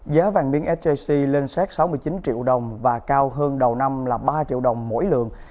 giá vàng miếng sjc lên xét sáu mươi chín triệu đồng và cao hơn đầu năm là ba triệu đồng mỗi lượng